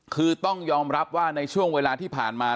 คือต้องยอมรับว่าในช่วงเวลาที่ผ่านมา